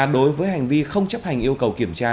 đối với hành vi không chấp hành yêu cầu kiểm tra